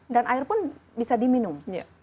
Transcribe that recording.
dan air pun bisa diminum